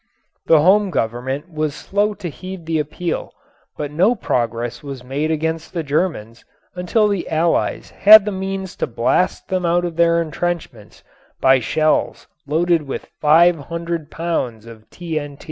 The home Government was slow to heed the appeal, but no progress was made against the Germans until the Allies had the means to blast them out of their entrenchments by shells loaded with five hundred pounds of TNT.